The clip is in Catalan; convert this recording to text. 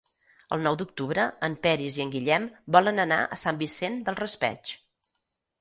El nou d'octubre en Peris i en Guillem volen anar a Sant Vicent del Raspeig.